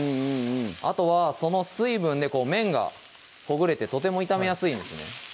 あとはその水分で麺がほぐれてとても炒めやすいんですね